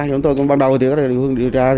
chúng tôi cũng ban đầu thì có thể là hướng điều tra